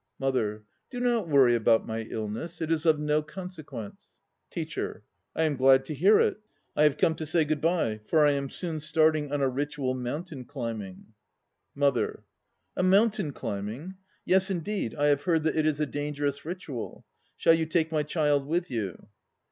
MOTHER. Do not worry about my illness. It is of no consequence. TEACHER. I am glad to hear it. I have come to say good bye, for I am soon starting on a ritual mountain climbing. MOTHER. A mountain climbing? Yes, indeed; I have heard that it is a dangerous ritual. Shall you take my child with you?